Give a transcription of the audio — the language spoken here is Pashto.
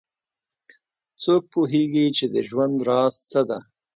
څوک پوهیږي چې د ژوند راز څه ده